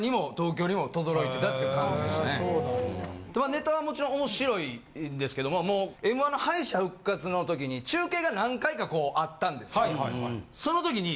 ネタはもちろん面白いんですけどもう『Ｍ−１』の敗者復活の時に中継が何回かこうあったんですけど。